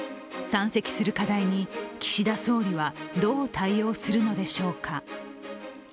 山積する課題に岸田総理はどう対応するのでしょうか。